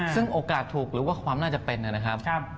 ซึ่งโอกาสถูกหรือว่าความน่าจะเป็นนะครับ